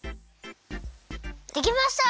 できました！